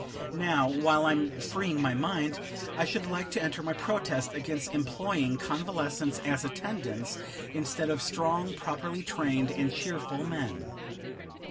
Now, while I'm freeing my mind, I should like to enter my protest against employing convalescents as attendants, instead of strong, properly trained, and cheerful men.